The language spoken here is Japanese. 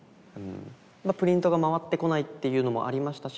まあプリントが回ってこないっていうのもありましたし。